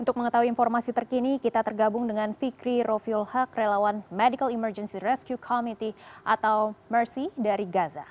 untuk mengetahui informasi terkini kita tergabung dengan fikri roviulha kerelawan medical emergency rescue committee atau merci dari gaza